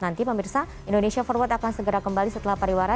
nanti pemirsa indonesia forward akan segera kembali setelah pariwara